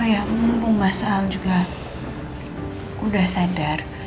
ayah mumpung mas al juga sudah sadar